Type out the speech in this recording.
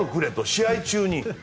試合中に。